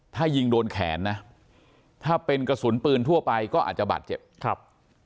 ถ้ายิงโดนแขนนะถ้าเป็นกระสุนปืนทั่วไปก็อาจจะบาดเจ็บครับ